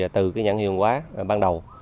từ nhãn hiệu quả ban đầu